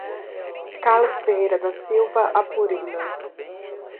Carlos Ferreira da Silva Apurina